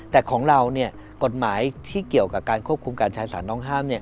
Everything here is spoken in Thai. แต่ของเรากฎหมายที่เกี่ยวกับการควบคุมการใช้สารน้องห้าม